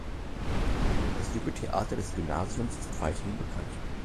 Das „Junge Theater“ des Gymnasiums ist weithin bekannt.